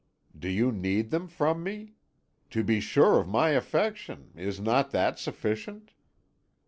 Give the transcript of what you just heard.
"Do you need them from me? To be sure of my affection is not that sufficient?"